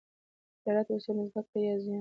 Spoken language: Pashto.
د تجارت اصول زده کړه، زیان کموي.